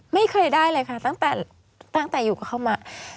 ไม่เคยได้เลยค่ะตั้งแต่อยู่กับเขามา